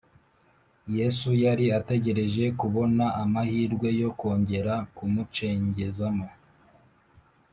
, Yesu yari ategereje kubona amahirwe yo kongera kumucengezamo